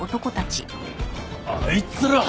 あいつら。